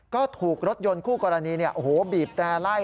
ก็ถูกรถยนต์คู่กรณีบีบแตร่ไล่